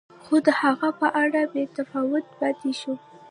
خو د هغه په اړه بې تفاوت پاتې شو.